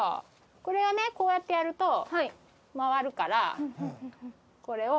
これはねこうやってやると回るからこれを。